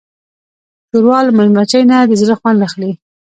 ښوروا له چمچۍ نه د زړه خوند اخلي.